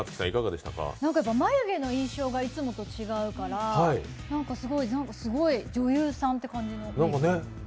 眉毛の印象がいつもと違うからすごい女優さんって感じ。